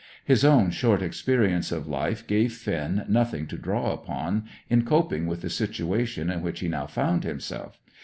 His own short experience of life gave Finn nothing to draw upon in coping with the situation in which he now found himself.